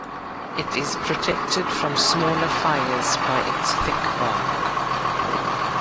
It is protected from smaller fires by its thick bark.